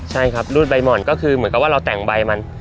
ใช่ครับรูดใบหม่อนก็คือเหมือนกับว่าเราแต่งใบมัน